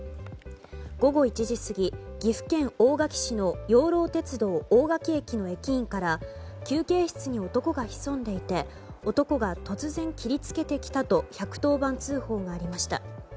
午後１時過ぎ、岐阜県大垣市の養老鉄道大垣駅の駅員から休憩室に男が潜んでいて男が突然切りつけてきたと１１０番通報がありました。